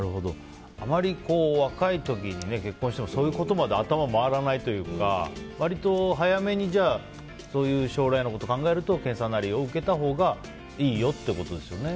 あまり若い時に、結婚してもそういうことまで頭、回らないというか割と早めにそういう将来のこと考えると検査なりを受けたほうがいいよということですね。